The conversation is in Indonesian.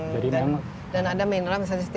dan ada mineral yang seperti